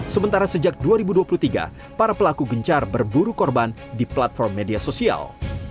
sementara sejak dua ribu dua puluh tiga para pelaku gencar berburu korban di platform media sosial